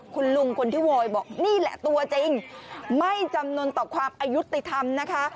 คุณลุงคนที่โวยบอกนี่แหละตัวจริงไม่จำนวนต่อความอายุติธรรมนะคะ